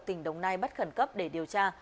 tỉnh đồng nai bắt khẩn cấp để điều tra